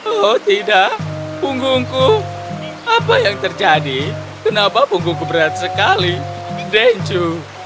oh tidak punggungku apa yang terjadi kenapa punggungku berat sekali denju